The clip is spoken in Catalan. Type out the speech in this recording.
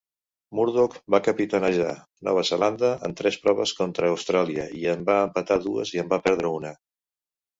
Murdoch va capitanejar Nova Zelanda en tres proves contra Austràlia, i en va empatar dues i en va perdre una.